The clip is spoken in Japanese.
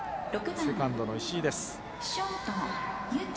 セカンドの石井です。